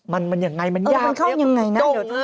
มันยังไงมันยากเอ้ยตรงเออ